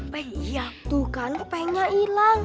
pengi yang tuh kan pengnya ilang